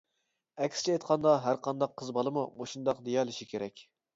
ئەكسىچە ئېيتقاندا، ھەرقانداق قىز بالىمۇ مۇشۇنداق دېيەلىشى كېرەك.